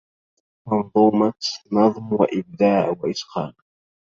منظومة نظم إبداع وإتقان